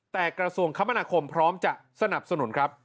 แต่กระทรวงคมนาคมพร้อมจะสนับสนุนครับ